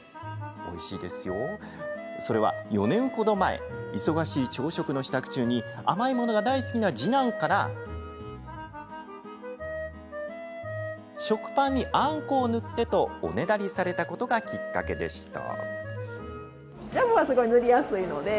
それは４年ほど前忙しい朝食の支度中に甘いものが大好きな次男から食パンにあんこを塗ってとおねだりされたことがきっかけでした。